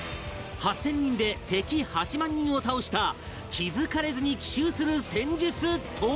８０００人で敵８万人を倒した気付かれずに奇襲する戦術とは？